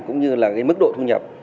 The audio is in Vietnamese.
cũng như là mức độ thu nhập